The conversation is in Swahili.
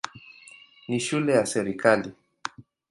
Ni shule ya serikali.